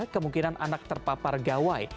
kemungkinan anak terpapar gawai